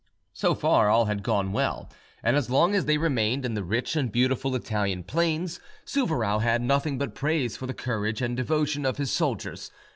So far all had gone well, and as long as they remained in the rich and beautiful Italian plains, Suovarow had nothing but praise for the courage and devotion of his soldiers.